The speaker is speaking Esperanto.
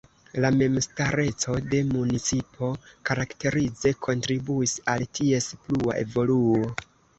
La memstareco de municipo karakterize kontribuis al ties plua evoluo.